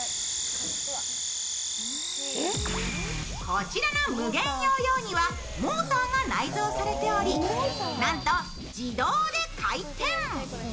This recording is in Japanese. こちらのムゲンヨーヨーにはモーターが内蔵されておりなんと自動で回転。